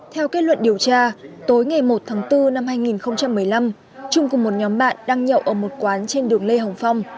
theo kết luận điều tra tối ngày một tháng bốn năm hai nghìn một mươi năm trung cùng một nhóm bạn đang nhậu ở một quán trên đường lê hồng phong